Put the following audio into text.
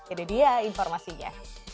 ini dia informasinya